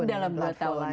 dalam dua tahun